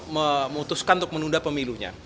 memutuskan untuk menunda pemilunya